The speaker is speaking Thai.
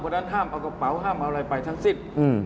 เพราะฉะนั้นห้ามเอากระเป๋าห้ามเอาอะไรไปทั้งสิ้น